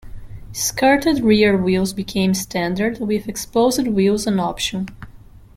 Skirted rear wheels became standard, with exposed wheels an option.